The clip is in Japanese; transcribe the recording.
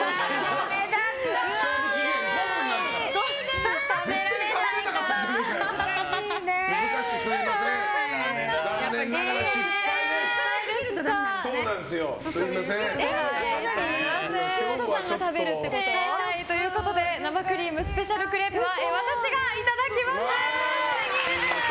残念ながら失敗です。ということで生クリームスペシャルクレープは私がいただきます！